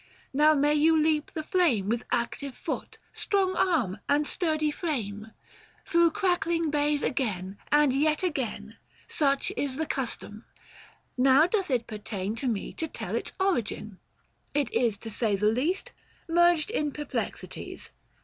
Now may you leap the flame With active foot, strong arm, and sturdy frame, — Through crackling bays again, and yet again. Such is the custom, now doth it pertain To me to tell its origin : It is, 905 To say the least, merged in perplexities.